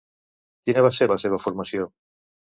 Quina va ser la seva formació?